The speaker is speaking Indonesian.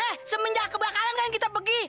nah semenjak kebakaran kan kita pergi